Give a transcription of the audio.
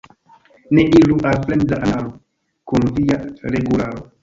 Ne iru al fremda anaro kun via regularo.